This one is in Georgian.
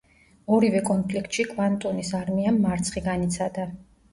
ორივე კონფლიქტში კვანტუნის არმიამ მარცხი განიცადა.